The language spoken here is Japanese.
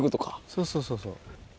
そうそうそうそう。